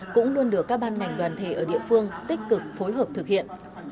cũng luôn được các ban ngành đoàn thể ở địa phương tích cực phối hợp thực hiện